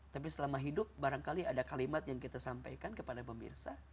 tapi selama hidup barangkali ada kalimat yang kita sampaikan kepada pemirsa